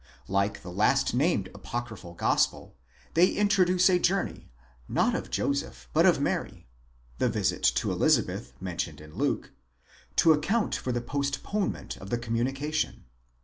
Like the last named apocryphal Gospel, they introduce a journey, not of Joseph, but of Mary—the visit to Elizabeth mentioned in Luke—to account for the post ponement of the communication.